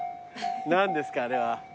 何ですかあれは。